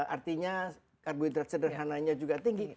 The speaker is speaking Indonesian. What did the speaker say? artinya karbohidrat sederhananya juga tinggi